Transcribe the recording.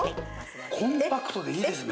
コンパクトでいいですね。